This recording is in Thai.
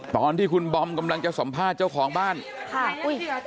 ตอนที่คุณบอมกำลังจะสัมภาษณ์เจ้าของบ้านค่ะอุ้ย